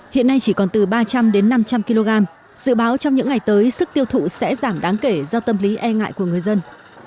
hiện nay chỉ còn từ ba trăm linh năm trăm linh kg dự báo trong những ngày tới sức tiêu thụ sẽ giảm đáng kể do tâm lý e ngại của người dân